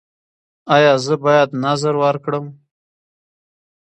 ایا زه باید نذر ورکړم؟